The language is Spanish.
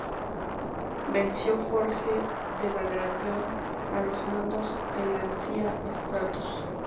Venció Jorge de Bagratión a los mandos del Lancia Stratos.